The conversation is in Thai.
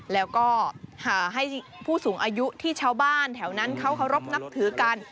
แล้วก็หาให้ผู้สูงอายุที่ชาวบ้านแถวนั้นเขาเคารพนับถือกัน